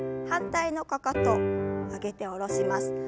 反対のかかと上げて下ろします。